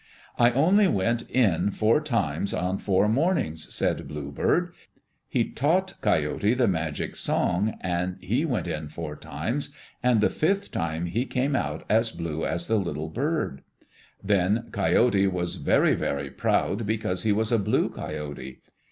"I only went in four times on four mornings," said Bluebird. He taught Coyote the magic song, and he went in four times, and the fifth time he came out as blue as the little bird. Then Coyote was very, very proud because he was a blue coyote.